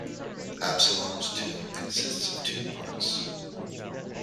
Absalom's tomb consists of two parts.